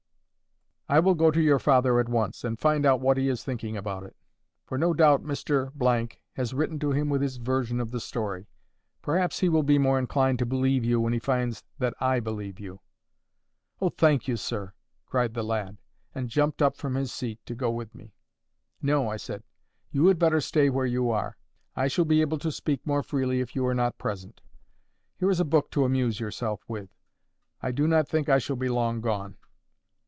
I will go to your father at once, and find out what he is thinking about it. For no doubt Mr— has written to him with his version of the story. Perhaps he will be more inclined to believe you when he finds that I believe you." "Oh, thank you, sir!" cried the lad, and jumped up from his seat to go with me. "No," I said; "you had better stay where you are. I shall be able to speak more freely if you are not present. Here is a book to amuse yourself with. I do not think I shall be long gone."